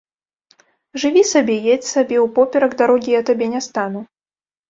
Жыві сабе, едзь сабе, упоперак дарогі я табе не стану.